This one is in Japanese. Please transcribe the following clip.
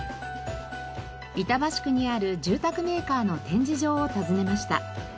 板橋区にある住宅メーカーの展示場を訪ねました。